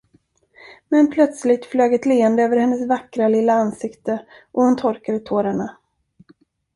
Men plötsligt flög ett leende över hennes vackra lilla ansikte och hon torkade tårarna.